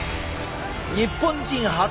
日本人初！